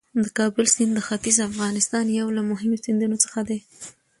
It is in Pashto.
د کابل سیند د ختیځ افغانستان یو له مهمو سیندونو څخه دی.